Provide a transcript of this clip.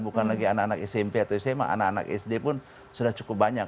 bukan lagi anak anak smp atau sma anak anak sd pun sudah cukup banyak